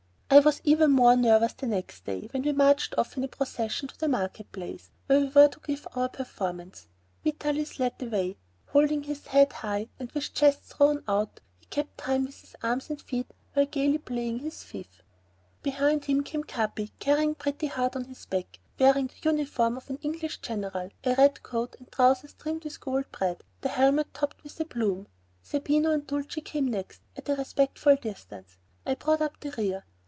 I was even more nervous the next day, when we marched off in a procession to the market place, where we were to give our performance. Vitalis led the way. Holding his head high and with chest thrown out, he kept time with his arms and feet while gayly playing his fife. Behind him came Capi, carrying Pretty Heart on his back, wearing the uniform of an English general, a red coat and trousers trimmed with gold braid and helmet topped with a plume. Zerbino and Dulcie came next, at a respectful distance. I brought up the rear.